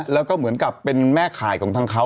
แล้วก็เหมือนกับเป็นแม่ข่ายของทางเขา